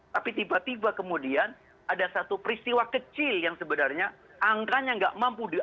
tapi tiba tiba kemudian ada satu peristiwa kecil yang sebenarnya angkanya nggak mampu